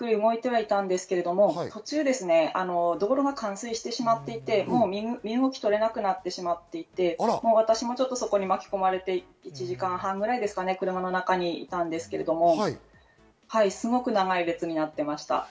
ゆっくりゆっくり動いてはいたんですけれども途中、道路が冠水してしまっていて、身動き取れなくなってしまっていて、私もちょっとそこで巻き込まれて１時間半ぐらいですかね、車の中にいたんですけれども、すごく長い列になっていました。